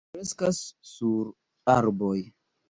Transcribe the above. Ĝi kreskas sur arboj.